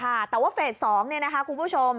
ค่ะแต่ว่าเฟส๒คุณผู้ชม